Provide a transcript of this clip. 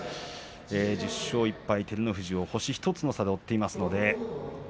１０勝１敗、照ノ富士を星１つの差で追っています。